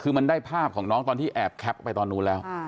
คือมันได้ภาพของน้องตอนที่แอบแคปไปตอนนู้นแล้ว